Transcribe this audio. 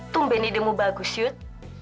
tunggu ben kamu akan menemukan yang bagus